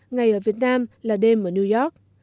ngày ở việt nam là đêm ở new york